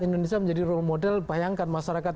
indonesia menjadi role model bayangkan masyarakat